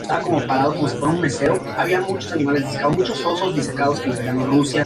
Era, por tanto, en un origen, una baronía de la Alta Ribagorza.